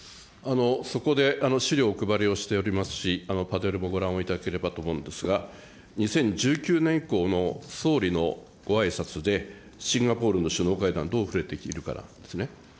そこで資料をお配りをしておりますし、パネルもご覧いただければと思うんですが、２０１９年以降の総理のごあいさつで、シンガポールの首脳会談、どう触れているかなんですね。